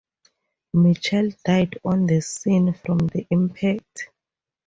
Mitchell died on the scene from the impact.